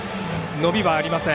伸びはありません。